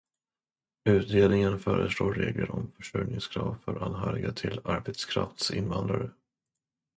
Utredningen föreslår regler om försörjningskrav för anhöriga till arbetskraftsinvandrare.